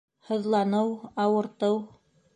Һыҙланыу, ауыртыу